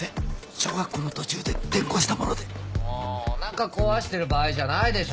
小学校の途中で転校したもので。もおなか壊してる場合じゃないでしょ！